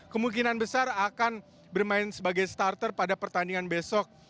kemungkinan besar akan bermain sebagai starter pada pertandingan besok